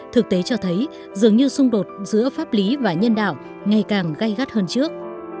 thực tế cho thấy dường như xung đột giữa pháp lý và nhân đạo ngày càng gây gắt hơn trước